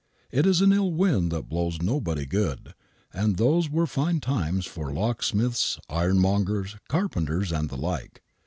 It is an ill wind that blows nobody good, and those were fine times for locksmiths, iron mongers, carpenters and the like.